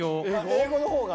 英語の方が？